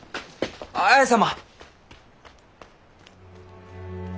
綾様！